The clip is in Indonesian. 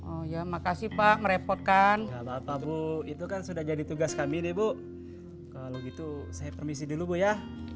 oh ya makasih pak merepotkan bu itu kan sudah jadi tugas kami deh bu kalau gitu saya permisi dulu bu ya